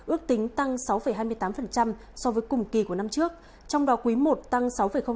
ước tính tăng sáu hai mươi tám so với cùng kỳ của năm trước trong đó quý i tăng sáu